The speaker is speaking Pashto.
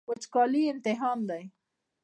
وچکالي امتحان دی.